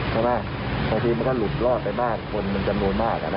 ใช่ไหมพอทีมันก็หลุดรอดไปบ้างคนมันจำนวนมาก